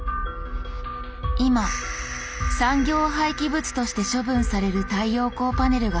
今産業廃棄物として処分される太陽光パネルが増えています。